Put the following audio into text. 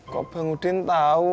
kok bang udin tau